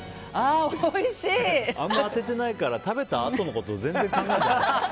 あんま当ててないから食べたあとのこと全然考えてない。